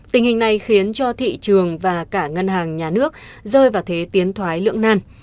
tình hình này khiến cho thị trường và cả ngân hàng nhà nước rơi vào thế tiến thoái lưỡng nan